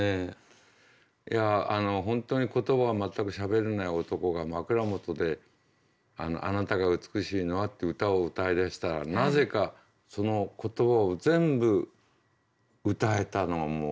いや本当に言葉は全くしゃべれない男が枕元で「あなたが美しいのは」って歌を歌いだしたらなぜかその言葉を全部歌えたのはもう本当感動しましたね。